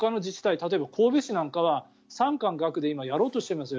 例えば神戸市だって産官学で今やろうとしていますよ。